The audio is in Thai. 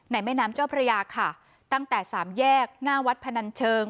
แม่น้ำเจ้าพระยาค่ะตั้งแต่สามแยกหน้าวัดพนันเชิง